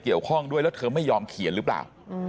เกี่ยวข้องด้วยแล้วเธอไม่ยอมเขียนหรือเปล่า